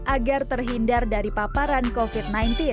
agar terhindar dari paparan covid sembilan belas